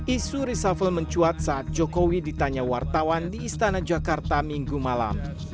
isu reshuffle mencuat saat jokowi ditanya wartawan di istana jakarta minggu malam